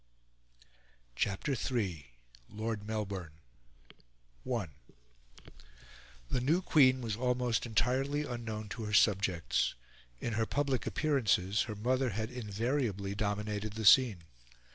CHAPTER III. LORD MELBOURNE I The new queen was almost entirely unknown to her subjects. In her public appearances her mother had invariably dominated the scene.